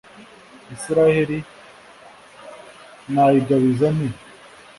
Israheli, nayigabiza nte?